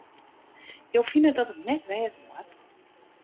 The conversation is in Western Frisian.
Jo fine dat it net wêze moat?